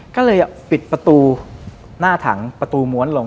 ก็เลยปิดประตูหน้าถังประตูม้วนลง